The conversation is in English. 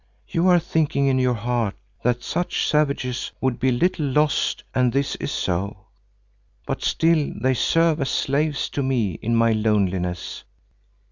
You are thinking in your heart that such savages would be little loss and this is so, but still they serve as slaves to me in my loneliness.